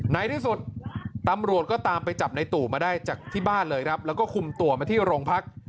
ในที่สุดตำรวจก็ตามไปจับในตู่มาได้จากที่บ้านเลยครับแล้วก็คุมตัวมาที่โรงพัก